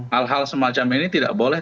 hal hal semacam ini tidak boleh